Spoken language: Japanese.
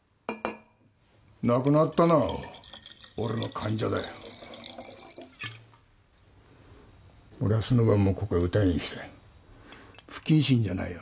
亡くなったのは俺の患者だよ俺はその晩もここに歌いに来たよ不謹慎じゃないよ